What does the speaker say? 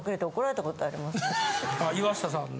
岩下さんの。